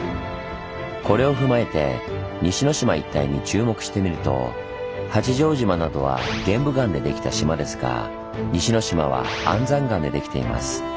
これを踏まえて西之島一帯に注目してみると八丈島などは玄武岩でできた島ですが西之島は安山岩でできています。